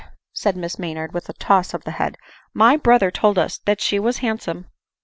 said Miss Maynard with a toss of the head, " my brother told us that she was handsome !"